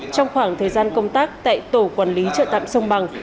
trong khoảng thời gian công tác tại tổ quản lý chợ tạm sông bằng